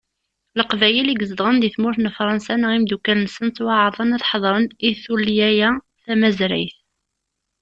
Leqbayel i izedɣen di tmurt n Fransa, neɣ imeddukkal-nsen, ttwaɛerḍen ad ḥeḍren i tullya-a tamazrayt.